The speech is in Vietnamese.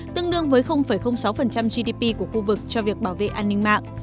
tương đương với sáu gdp của khu vực cho việc bảo vệ an ninh mạng